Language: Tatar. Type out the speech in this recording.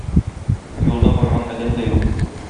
Юлда барган адәм дә юк.